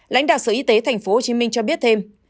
lãnh đạo sở y tế tp hcm cho biết thêm